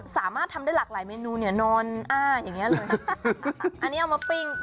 สามารถทำได้หลากหลายเมนูเนี่ยนอนอ้างอย่างเงี้เลยอันนี้เอามาปิ้ง